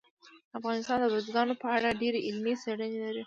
افغانستان د بزګانو په اړه ډېرې علمي څېړنې لري.